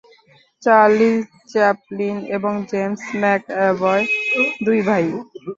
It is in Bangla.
চার্লি চ্যাপলিন এবং জেমস ম্যাকঅ্যাভয় দুই ভাই।